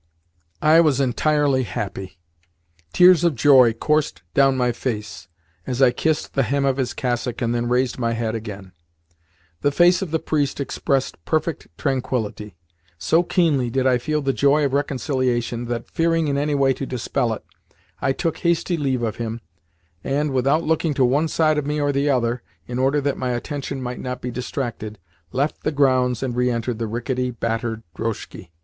I was entirely happy. Tears of joy coursed down my face as I kissed the hem of his cassock and then raised my head again. The face of the priest expressed perfect tranquillity. So keenly did I feel the joy of reconciliation that, fearing in any way to dispel it, I took hasty leave of him, and, without looking to one side of me or the other (in order that my attention might not be distracted), left the grounds and re entered the rickety, battered drozhki.